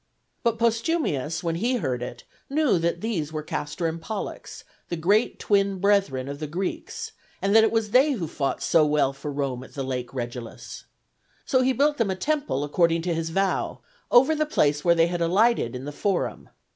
But Postumius, when he heard it, knew that these were Castor and Pollux, the great twin brethren of the Greeks, and that it was they who fought so well for Rome at the Lake Regillus. So he built them a temple, according to his vow, over the place where they had alighted in the Forum.